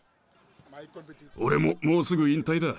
俺ももうすぐ引退だ。